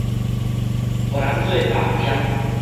予人做肉砧